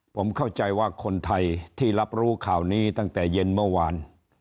ผมเข้าใจว่าคนไทยที่รับรู้ข่าวนี้ตั้งแต่เย็นเมื่อวาน